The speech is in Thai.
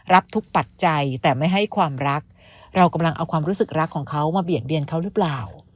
รับทุกปัจจัยแต่ไม่ให้ความรักเรากำลังเอาความรู้สึกรักของเขามาเบียดเบียนเขาหรือเปล่า